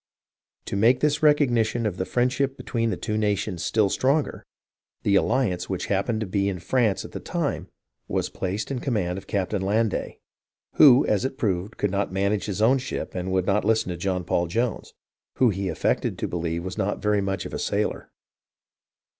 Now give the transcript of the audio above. To make this recognition of the friendship between the two nations still stronger, the Alliance, which happened to be in France at the time, was placed in com mand of Captain Landais, who, as it proved, could not manage his own ship and would not listen to John Paul Jones, who he affected to believe was not very much of THE STRUGGLE ON THE SEA 39 1 a sailor.